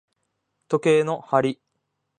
時計の針